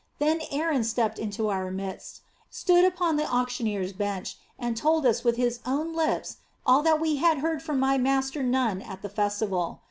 Then Aaron stepped into our midst, stood upon the auctioneer's bench, and told us with his own lips all that we had heard from my master Nun at the festival.